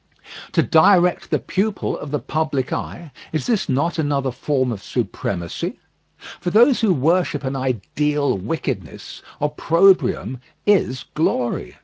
To direct the pupil of the public eye, is this not another form of supremacy? For those who worship an ideal wickedness, opprobrium is glory.